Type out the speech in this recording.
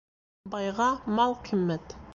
Байға мал ҡиммәт